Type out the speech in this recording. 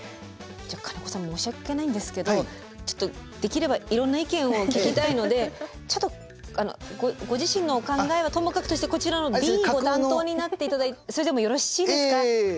じゃあ金子さん申し訳ないんですけどちょっとできればいろんな意見を聞きたいのでちょっとご自身のお考えはともかくとしてこちらのＢご担当になって頂いてそれでもよろしいですか？